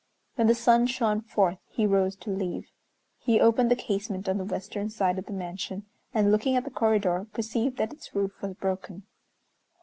When the sun shone forth he rose to leave. He opened the casement on the western side of the mansion, and, looking at the corridor, perceived that its roof was broken.